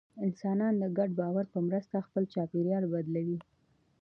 انسانان د ګډ باور په مرسته خپل چاپېریال بدلوي.